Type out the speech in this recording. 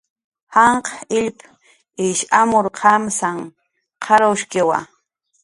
Janq' illp ish amur qamsanq qarwshkiwa